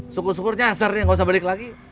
syukur syukur nyasar ini nggak usah balik lagi